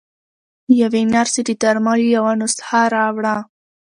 يوې نرسې د درملو يوه نسخه راوړه.